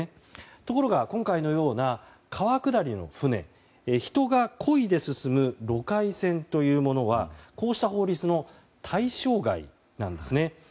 ところが、今回のような川下りの船人がこいで進むろかい船というものはこうした法律の対象外なんですね。